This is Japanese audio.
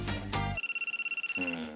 うん。